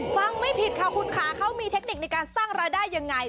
ไม่ผิดค่ะคุณค่ะเขามีเทคนิคในการสร้างรายได้ยังไง